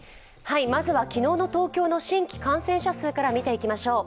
まずは昨日の新規感染者数から見ていきましょう。